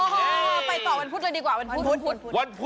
ไปต่อวันพุธเลยดีกว่าวันพุธ